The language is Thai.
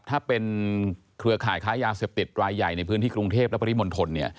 ถ้าเป็นเครือข่ายค้ายาเสพติดรายใหญ่ในพื้นที่กรุงเทพและปริมณฑล